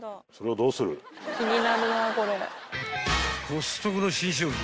［コストコの新商品］